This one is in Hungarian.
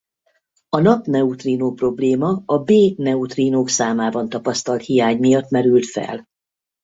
A napneutrínó-probléma a B neutrínók számában tapasztalt hiány miatt merült fel.